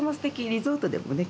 リゾートでもね